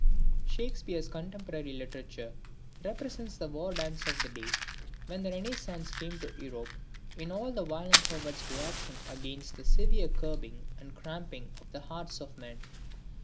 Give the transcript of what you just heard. Shakespeare's contemporary literature represents the war dance of the day when the Renascence came to Europe in all the violence of its reaction against the severe curbing and cramping of the hearts of men.